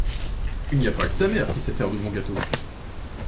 Il n’y a pas que ta mère qui sait faire de bons gâteaux.